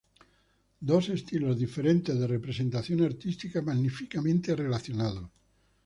Dos estilos diferentes de representación artística magníficamente relacionados.